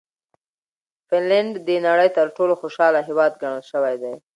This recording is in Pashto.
فنلنډ د نړۍ تر ټولو خوشحاله هېواد ګڼل شوی دی.